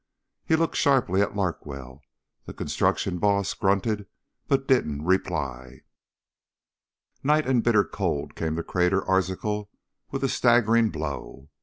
He looked sharply at Larkwell. The construction boss grunted but didn't reply. Night and bitter cold came to Crater Arzachel with a staggering blow.